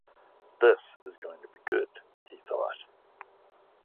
"This is going to be good," he thought.